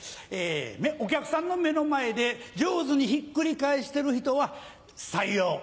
お客さんの目の前で上手にひっくり返してる人は採用。